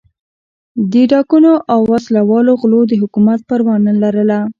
ډاکوانو او وسله والو غلو د حکومت پروا نه لرله.